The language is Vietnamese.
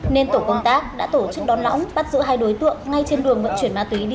nên tổ công tác đã tổ chức đón lõng bắt giữ hai đối tượng ngay trên đường vận chuyển ma túy đi tiêu thụ